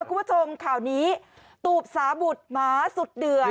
คุณผู้ชมข่าวนี้ตูบสาบุตรหมาสุดเดือด